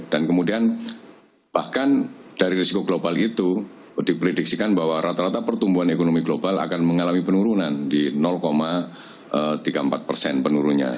dan kemudian bahkan dari risiko global itu diprediksikan bahwa rata rata pertumbuhan ekonomi global akan mengalami penurunan di tiga puluh empat penurunnya